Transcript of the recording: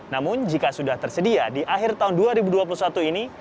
namun jika sudah tersedia di akhir tahun dua ribu dua puluh satu ini